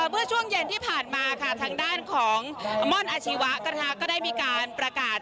เมื่อช่วงเย็นที่ผ่านมาค่ะทางด้านของม่อนอาชีวะก็ได้มีการประกาศ